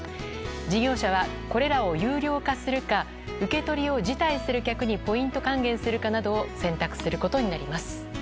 事業者は、これらを有料化するか受け取りを辞退する客にポイント還元するかなどを選択することになります。